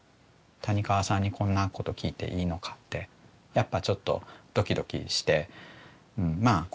谷川さんにこんなこと聞いていいのかってやっぱちょっとドキドキしてまあ